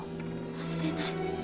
忘れない。